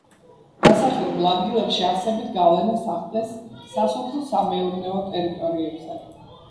დასახლებულ ადგილებში არსებით გავლენას ახდენს სასოფლო-სამეურნეო ტერიტორიებზე.